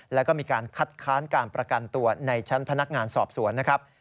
แล้วก็มีการคัดค้านการประกันตัวในชั้นพนักงานสอบสวนนะครับ